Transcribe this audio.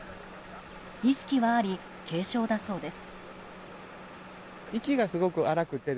意識はあり、軽症だそうです。